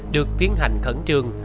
được tiến hành khẩn trương